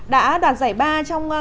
đã đoạt giải ba trong